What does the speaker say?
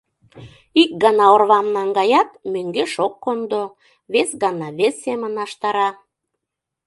Ик гана орвам наҥгаят, мӧҥгеш ок кондо, вес гана вес семын аштара.